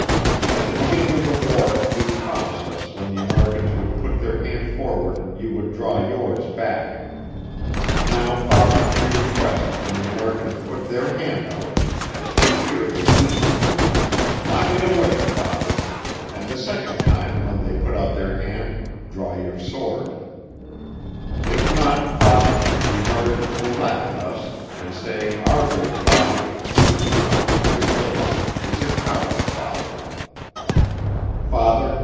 At the beginning of the war you promised us when the Americans would put their hand forward you would draw yours back. Now Father we request when the Americans put their hand out, (as we hear they mean to do) knock it away Father, and the second time when they put out their hand, draw your sword. If not Father, the Americans will laugh at us, and say our Great Father, who is beyond the Great Lake is a coward Father.